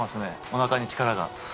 おなかに力が。